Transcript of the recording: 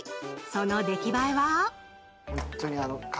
その出来栄えは？